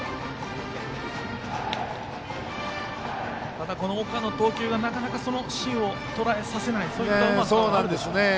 ただ岡の投球がなかなかその芯をとらえさせないそういったうまさがあるでしょうか。